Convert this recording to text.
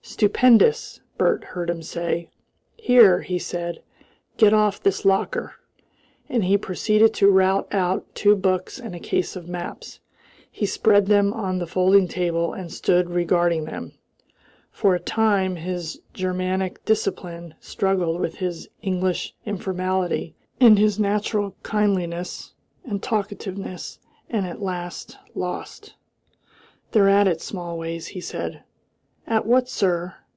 "Stupendous!" Bert heard him say. "Here!" he said, "get off this locker." And he proceeded to rout out two books and a case of maps. He spread them on the folding table, and stood regarding them. For a time his Germanic discipline struggled with his English informality and his natural kindliness and talkativeness, and at last lost. "They're at it, Smallways," he said. "At what, sir?"